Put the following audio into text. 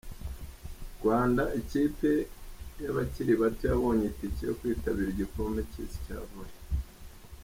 Rwanda ikipe yaba kiribato yabonye itike yo kwitabira igikombe cy’Isi cya vore